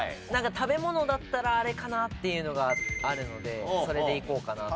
食べ物だったらあれかなっていうのがあるのでそれでいこうかなと。